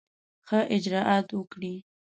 ښه اجرآت وکړي.